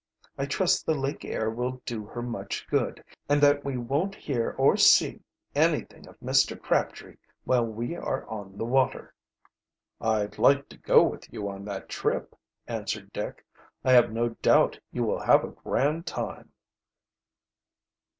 I trust the lake air will do her much good, and that we won't hear or see anything of Mr. Crabtree while we are on the water." "I'd like to go with you on that trip," answered Dick. "I have no doubt you will have a grand time."